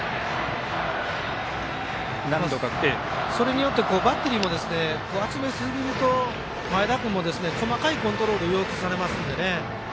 それによって、バッテリーも集めすぎると、前田君も細かいコントロール要求されますんでね。